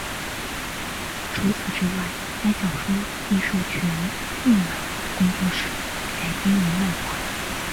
除此之外该小说亦授权梦马工作室改编为漫画。